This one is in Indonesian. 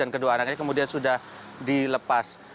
kemudian sudah dilepas